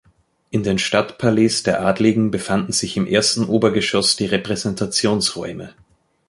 In den Stadtpalais der Adligen befanden sich im ersten Obergeschoss die Repräsentationsräume.